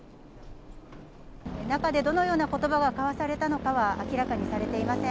中でどのようなことばがかわされたのかは明らかにされていません。